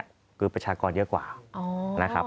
คือประชากรเยอะกว่านะครับ